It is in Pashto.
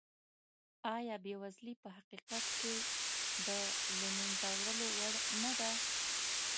ایا بېوزلي په حقیقت کې د له منځه وړلو وړ نه ده؟